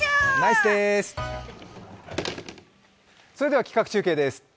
それでは企画中継です。